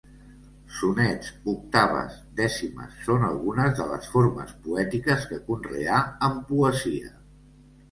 Sonets, octaves, dècimes són algunes de les formes poètiques que conreà en poesia.